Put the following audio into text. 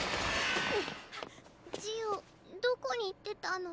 ジオどこに行ってたの？